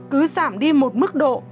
cứ giảm đi một mức độ